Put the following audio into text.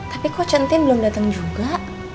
tapi kok entin belum dateng juga